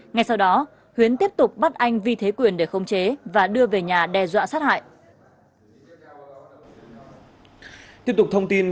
ngay sau đó huyến tiếp tục bắt anh vi thế quyền để khống chế và đưa về nhà đe dọa sát hại